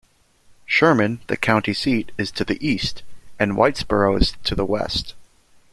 Sherman, the county seat, is to the east, and Whitesboro is to the west.